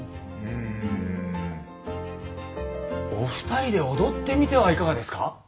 うんお二人で踊ってみてはいかがですか？